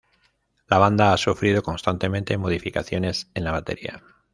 La banda ha sufrido constantemente modificaciones en la batería.